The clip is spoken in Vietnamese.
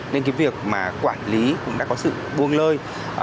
nên cái việc mà quản lý cũng đã có sự buông lơi